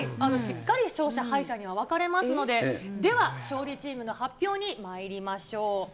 しっかり、勝者、敗者には分かれますので、では、勝利チームの発表にまいりましょう。